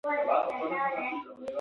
پوښتنه یې وکړه باغ ته ځئ که حجرې ته؟